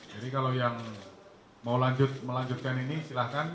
jadi kalau yang mau melanjutkan ini silakan